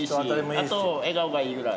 あと笑顔がいいくらい。